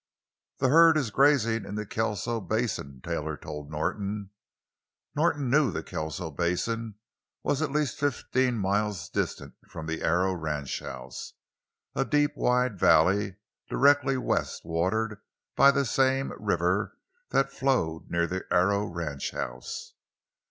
"The herd is grazing in the Kelso Basin," Taylor told Norton. Norton knew the Kelso Basin was at least fifteen miles distant from the Arrow ranchhouse—a deep, wide valley directly west, watered by the same river that flowed near the Arrow ranchhouse.